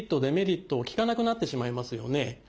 デメリットを聞かなくなってしまいますよね。